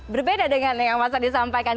berbeda dengan yang mas adi sampaikan